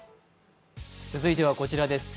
続いてはこちらです。